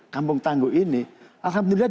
kampung tangguh ini alhamdulillah